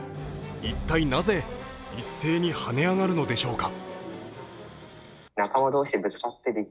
一体、なぜ一斉に跳ね上がるのでしょうか？